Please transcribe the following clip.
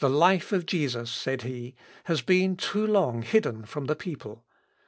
"The life of Jesus," said he, "has been too long hidden from the people.